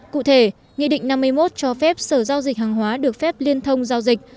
cụ thể nghị định năm mươi một cho phép sở giao dịch hàng hóa được phép liên thông giao dịch